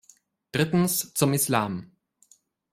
Drittens zum Islam.